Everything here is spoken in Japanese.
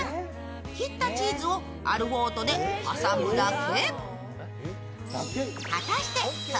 切ったチーズをアルフォートで挟むだけ。